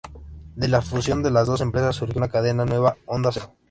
De la fusión de las dos empresas surgió una cadena nueva: Onda Cero.